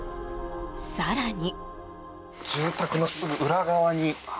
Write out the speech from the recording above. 更に。